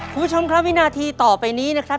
คุณผู้ชมครับวินาทีต่อไปนี้นะครับ